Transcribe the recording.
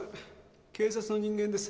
警察の人間です。